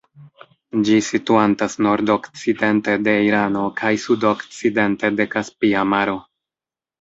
Ĝi situantas nordokcidente de Irano kaj sudokcidente de Kaspia Maro.